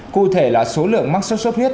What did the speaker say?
cụ thể là số lượng mắc sốt sốt huyết